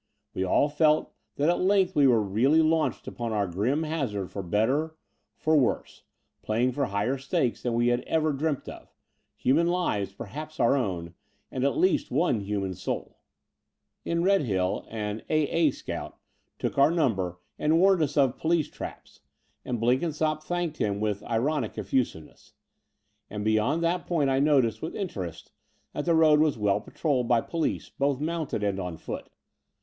We all felt that at length we were really launched upon our grim hazard for better, for worse, playing for higher stakes than we had ever dreamt of — human lives, perhaps our own, and at least one human soul. In Redhill an "A.A." scout took our ntunber and warned us of police traps, and Blenkinsopp The Dower House 215 thanked him with ironic effusiveness; and beyond that point I noticed, with interest, that the road was well patrolled by police, both mounted and on foot.